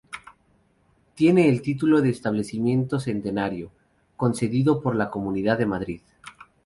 Tiene el título de establecimiento centenario, concedido por la Comunidad de Madrid.